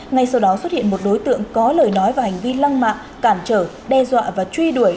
ngay sau đó xuất hiện một đối tượng có lời nói và hành vi lăng mạng cản trở đe dọa và truy đuổi